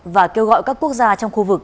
và kêu gọi các quốc gia trong khu vực